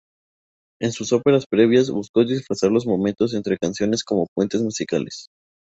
En sus óperas previas, buscó disfrazar los momentos entre canciones como puentes musicales.